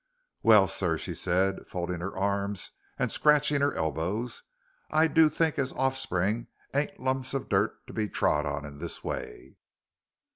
"Well, sir," she said, folding her arms and scratching her elbow, "I do think as offspring ain't lumps of dirt to be trod on in this way.